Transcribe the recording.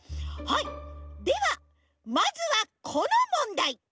はいではまずはこのもんだい！